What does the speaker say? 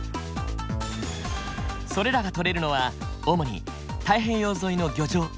それらがとれるのは主に太平洋沿いの漁場。